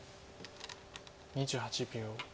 ２８秒。